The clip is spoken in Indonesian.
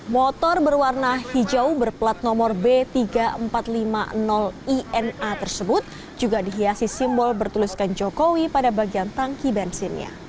motor berwarna hijau berplat nomor b tiga ribu empat ratus lima puluh ina tersebut juga dihiasi simbol bertuliskan jokowi pada bagian tangki bensinnya